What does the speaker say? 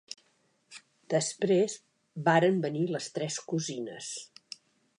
Després varen venir les tres cosines